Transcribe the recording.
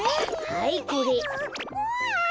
はいこれ。